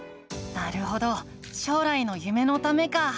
なるほど将来の夢のためか。